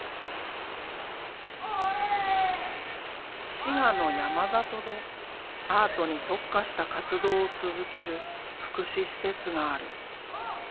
滋賀の山里でアートに特化した活動を続ける福祉施設がある。